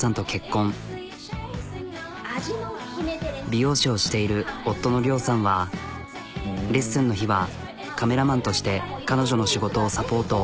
美容師をしている夫の諒さんはレッスンの日はカメラマンとして彼女の仕事をサポート。